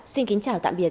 xin kính chào tạm biệt